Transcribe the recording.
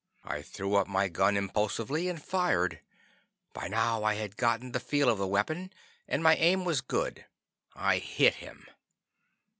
I threw up my gun impulsively and fired. By now I had gotten the feel of the weapon, and my aim was good. I hit him.